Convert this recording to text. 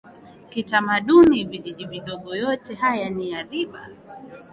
kitamaduni vijiji vidogo yote haya ni ya riba